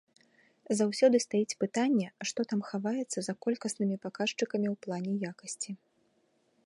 Заўсёды стаіць пытанне, што там хаваецца за колькаснымі паказчыкамі ў плане якасці.